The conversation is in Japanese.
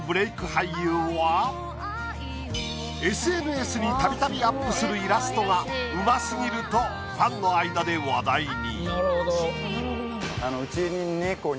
俳優はＳＮＳにたびたびアップするイラストがうま過ぎるとファンの間で話題に。